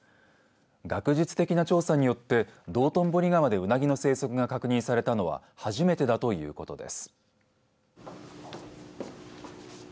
学術的な調査によって道頓堀川で、うなぎの生息が確認されたのは初めてだということです。